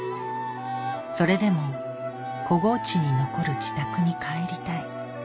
それでも小河内に残る自宅に帰りたい